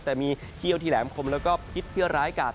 แต่มีเขี้ยวที่แหลมคมแล้วก็พิษเพื่อร้ายกาด